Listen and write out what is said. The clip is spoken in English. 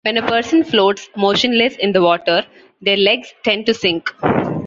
When a person floats motionless in the water, their legs tend to sink.